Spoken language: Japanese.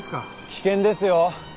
危険ですよ